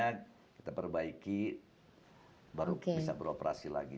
kita perbaiki baru bisa beroperasi lagi